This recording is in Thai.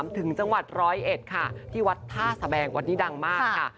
ถึงจังหวัดร้อยเอ็ดค่ะที่วัดท่าสแบงวัดนี้ดังมากค่ะ